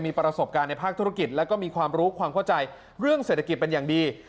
มีประสบการณ์ในภาคธุรกิจแล้วก็มีความรู้ความเข้าใจเรื่องเศรษฐกิจเป็นอย่างดี